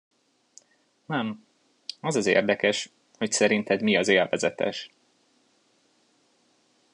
Nem, az az érdekes, hogy szerinted mi az élvezetes.